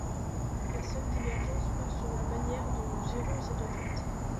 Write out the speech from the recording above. La seule divergence porte sur la manière dont nous gérons ces deux dates.